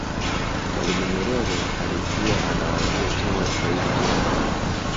Mwalimu Nyerere alikuwa anawaambia Tewa Said Tewa na